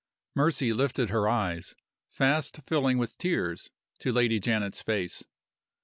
Mercy lifted her eyes, fast filling with tears, to Lady Janet's face.